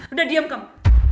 udah diam kamu